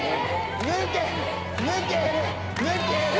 抜ける抜ける抜ける！